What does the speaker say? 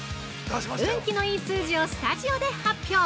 運気のいい数字をスタジオで発表。